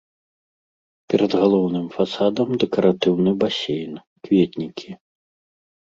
Перад галоўным фасадам дэкаратыўны басейн, кветнікі.